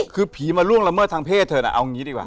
คือผีมาล่วงละเมิดทางเพศเธอน่ะเอางี้ดีกว่า